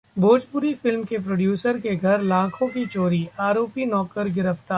Bhojpuri film के producer के घर लाखों की चोरी, आरोपी नौकर गिरफ्तार